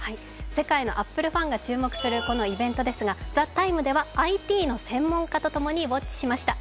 世界のアップルファンが注目するこのイベントですが「ＴＨＥＴＩＭＥ，」ではＩＴの専門家とともにウォッチしました。